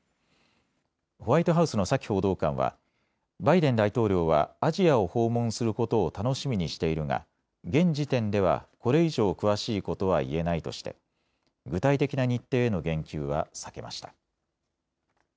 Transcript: ホワイトハウスのサキ報道官はバイデン大統領はアジアを訪問することを楽しみにしているが現時点では、これ以上詳しいことは言えないとして具体的な日程への言及は避けました。